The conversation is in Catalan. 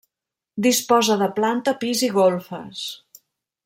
Disposa de planta, pis i golfes.